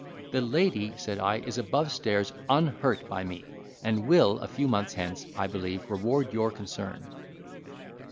"The lady," said I, "is above stairs, unhurt by me, and will, a few months hence, I believe reward your concern."